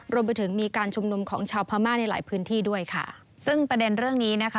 รวมไปถึงมีการชุมนุมของชาวพม่าในหลายพื้นที่ด้วยค่ะซึ่งประเด็นเรื่องนี้นะคะ